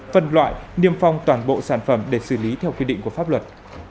phân loại niêm phong toàn bộ sản phẩm để xử lý theo quy định của pháp luật